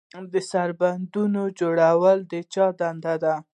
د سربندونو جوړول د چا دنده ده؟